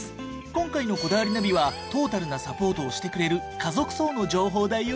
今回の『こだわりナビ』はトータルなサポートをしてくれる家族葬の情報だよ。